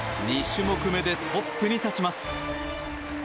２種目めでトップに立ちます。